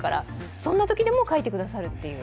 そんなときでも書いてくださるという。